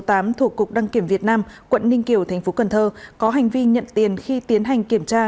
thuộc cục đăng kiểm việt nam quận ninh kiều tp cn có hành vi nhận tiền khi tiến hành kiểm tra